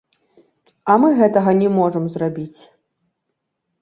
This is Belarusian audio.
А мы гэтага не можам зрабіць.